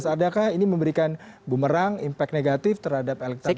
adakah ini memberikan bumerang impact negatif terhadap elektronik